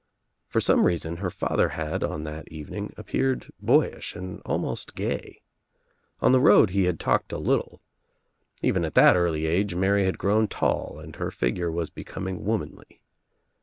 For some reason her father had, on that evening, appeared boyish and al most gay. On the road he had talked a little. Even at that early age Mary had grown tall and her figure was becoming womanly.